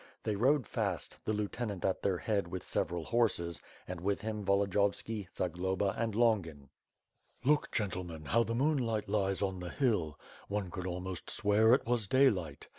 They rode fast, the lieutenant at their head with several horses; and, with him Volodiyovski, Zagloba and Longin. "Look, gentlemen, how the moonlight lies on the hill. One could almost swear it was daylight.